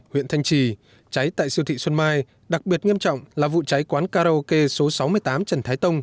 huyện thanh trì cháy tại siêu thị xuân mai đặc biệt nghiêm trọng là vụ cháy quán karaoke số sáu mươi tám trần thái tông